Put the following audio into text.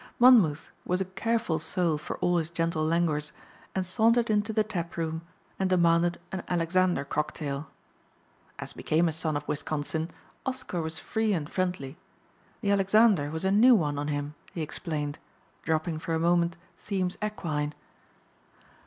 Monmouth was a careful soul for all his gentle languors and sauntered into the tap room and demanded an Alexander cocktail. As became a son of Wisconsin, Oscar was free and friendly. The "Alexander" was a new one on him, he explained, dropping for a moment themes equine.